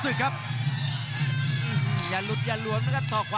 สองครั้งแล้วนะครับที่เตือนทางด้านยอดปรับศึกครับ